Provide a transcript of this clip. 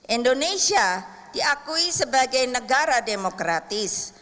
indonesia diakui sebagai negara demokratis